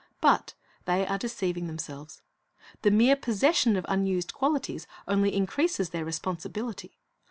But they are deceiving themselves. The mere possession of unused qualities only increases their responsibility.